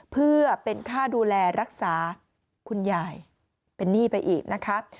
เพื่อเป็นค่าดูแลรักษาคุณยายเป็นหนี้ไปอีกนะคะ